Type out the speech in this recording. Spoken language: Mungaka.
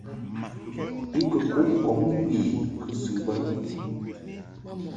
I kɨ kuʼ ŋkɔŋ ŋgwi I kɨsɨ bə.